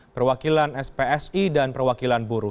perwakilan spsi dan perwakilan buruh